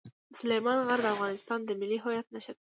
سلیمان غر د افغانستان د ملي هویت نښه ده.